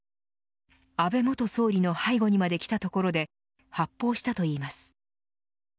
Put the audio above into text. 安倍元総理の背後にまで来たところで発砲したといいます。